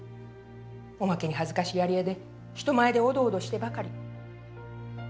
おまけに恥ずかしがり屋で人前でおどおどしてばかり。